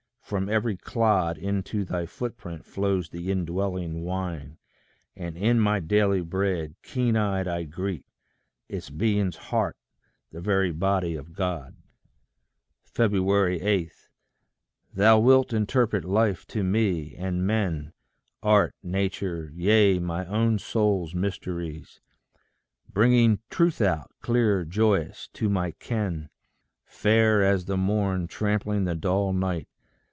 From every clod Into thy footprint flows the indwelling wine; And in my daily bread, keen eyed I greet Its being's heart, the very body of God. 8. Thou wilt interpret life to me, and men, Art, nature, yea, my own soul's mysteries Bringing, truth out, clear joyous, to my ken, Fair as the morn trampling the dull night.